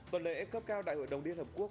tuần lễ cấp cao đại hội đồng liên hợp quốc